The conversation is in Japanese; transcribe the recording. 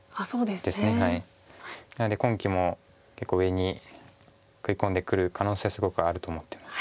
なので今期も結構上に食い込んでくる可能性はすごくあると思ってます。